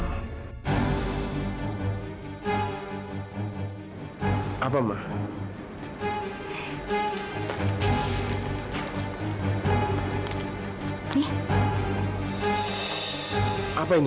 mama mau kesempatannya